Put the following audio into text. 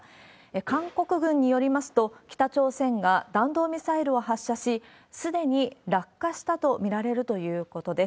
韓国軍によりますと、北朝鮮が弾道ミサイルを発射し、すでに落下したと見られるということです。